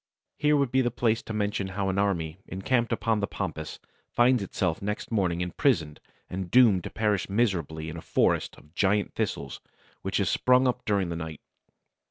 Here would be the place to mention how an army encamped upon the Pampas finds itself next morning imprisoned and doomed to perish miserably in a forest of giant thistles which has sprung up during the night.